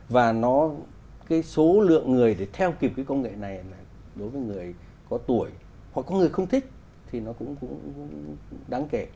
và nó cái số lượng người để theo kịp cái công nghệ này là đối với người có tuổi hoặc có người không thích thì nó cũng đáng kể